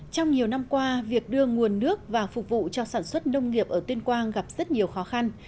trong nhiều năm qua việc đưa nguồn nước và phục vụ cho sản xuất nông nghiệp ở tuyên quang gặp rất nhiều khó khăn